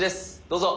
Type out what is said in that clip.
どうぞ。